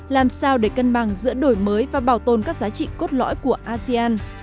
làm sao để cân bằng giữa đổi mới và bảo tồn các giá trị cốt lõi của asean